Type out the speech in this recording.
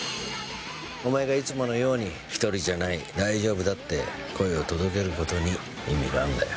お前がいつものように１人じゃない、大丈夫だって声を届けることに意味があるんだよ。